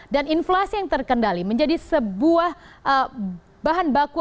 dan inflasi yang terkendali menjadi sebuah bahan baku